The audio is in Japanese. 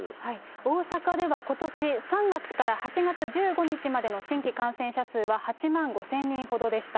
大阪ではことし３月から８月１５日までの新規感染者数は８万５０００人ほどでした。